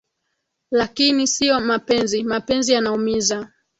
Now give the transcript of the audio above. Lakini sio mapenzi, mapenzi yanaumiza